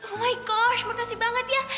oh my gosh makasih banget ya